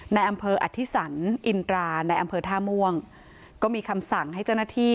ในอำเภออธิสันอินตราในอำเภอท่าม่วงก็มีคำสั่งให้เจ้าหน้าที่